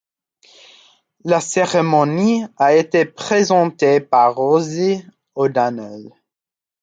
La cérémonie a été présentée par Rosie O'Donnell.